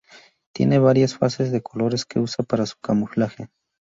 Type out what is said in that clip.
Tiene varias fases de colores que usa para su camuflaje.